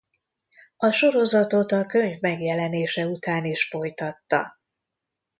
A sorozatot a könyv megjelenése után is folytatta.